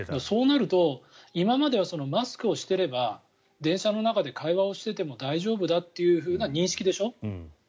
そうなると今まではマスクをしてれば電車の中で会話をしてても大丈夫だという認識でしょう。